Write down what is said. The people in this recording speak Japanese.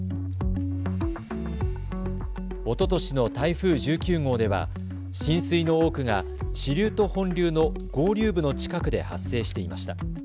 おととしの台風１９号では浸水の多くが支流と本流の合流部の近くで発生していました。